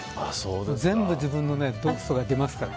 全部、自分の毒素が出ますから。